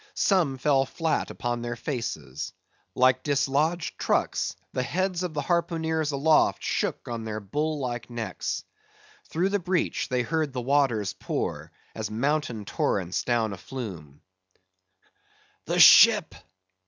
Some fell flat upon their faces. Like dislodged trucks, the heads of the harpooneers aloft shook on their bull like necks. Through the breach, they heard the waters pour, as mountain torrents down a flume. "The ship!